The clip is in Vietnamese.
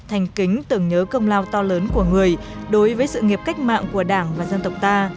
thành kính tưởng nhớ công lao to lớn của người đối với sự nghiệp cách mạng của đảng và dân tộc ta